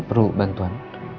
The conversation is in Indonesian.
gak perlu bantuan